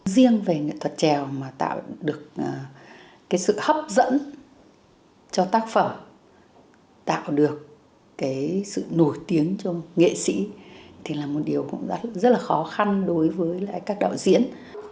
riêng về nghệ thuật trèo mà tạo được cái sự hấp dẫn cho tác phẩm tạo được cái sự nổi tiếng cho nghệ sĩ thì là một điều cũng rất là khó khăn đối với các đạo diễn